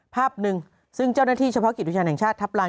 ภาพหนึ่งซึ่งเจ้าหน้าที่เฉพาะกิจอุทยานแห่งชาติทัพลาน